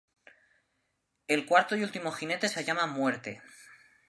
El cuarto y último jinete se llama muerte.